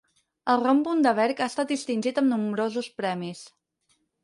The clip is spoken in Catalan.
El rom Bundaberg ha estat distingit amb nombrosos premis.